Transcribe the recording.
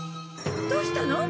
どうしたの？